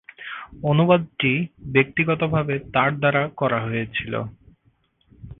অনুবাদটি ব্যক্তিগতভাবে তার দ্বারা করা হয়েছিল।